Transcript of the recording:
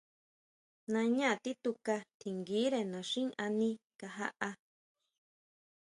Nañá tituka tjinguire naxín aní kajaʼá.